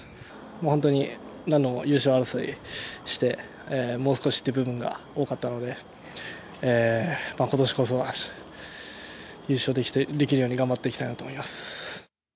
本当に何度も優勝争いしてもう少しっていう部分が多かったので今年こそは優勝できるように頑張っていきたいと思います。